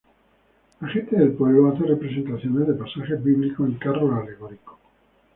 La gente del pueblo hace representaciones de pasajes bíblicos en carros alegóricos.